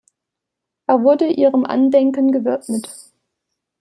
Er wurde ihrem Andenken gewidmet.